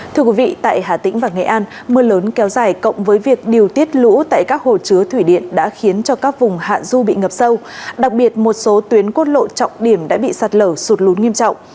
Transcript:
thưa quý vị tại hà tĩnh và nghệ an mưa lớn kéo dài cộng với việc điều tiết lũ tại các hồ chứa thủy điện đã khiến cho các vùng hạ du bị ngập sâu đặc biệt một số tuyến quốc lộ trọng điểm đã bị sạt lở sụt lún nghiêm trọng